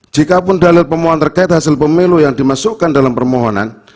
jikapun dalil pemohon terkait hasil pemilu yang dimasukkan dalam permohonan